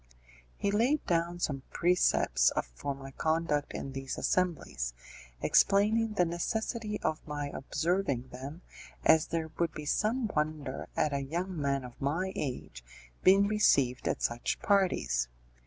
He laid down some precepts for my conduct in those assemblies, explaining the necessity of my observing them, as there would be some wonder at a young man of my age being received at such parties.